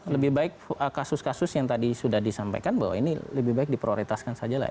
lebih baik kasus kasus yang tadi sudah disampaikan bahwa ini lebih baik diprioritaskan saja lah